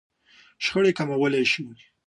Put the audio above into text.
-شخړې کموالی شئ